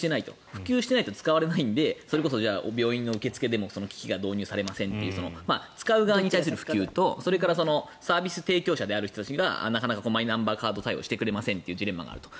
普及していないと使われないのでそれこそ病院の受付でも機器が導入されませんという使う側に対する普及とサービス提供者である人たちがマイナンバーカード対応してくれませんというジレンマがありますと。